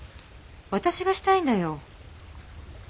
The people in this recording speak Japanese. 私がしたいんだよ。